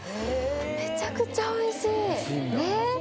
めちゃくちゃおいしいえっ！